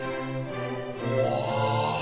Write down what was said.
うわあ！